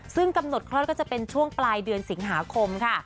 ซึ่งกำหนดคลอดก็จะเป็นช่วงปลายเดือนสิงหาคมค่ะ